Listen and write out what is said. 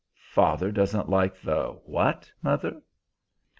"Father doesn't like the what, mother?"